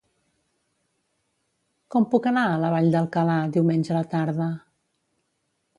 Com puc anar a la Vall d'Alcalà diumenge a la tarda?